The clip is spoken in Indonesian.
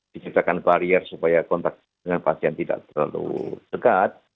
diciptakan barier supaya kontak dengan pasien tidak terlalu dekat